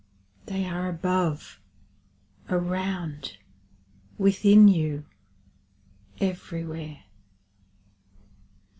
They are above, around, within you, everywhere.